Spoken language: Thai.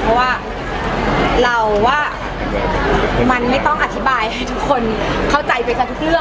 เพราะว่าเราว่ามันไม่ต้องอธิบายให้ทุกคนเข้าใจไปกันทุกเรื่อง